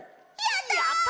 やった。